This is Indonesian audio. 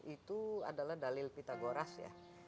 itu adalah dalil pitagoras ya